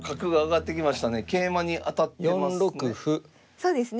そうですね。